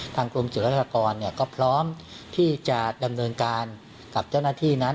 กรมศิลปากรก็พร้อมที่จะดำเนินการกับเจ้าหน้าที่นั้น